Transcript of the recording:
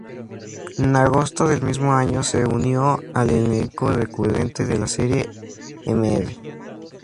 En agosto del mismo año se unió al elenco recurrente de la serie Mr.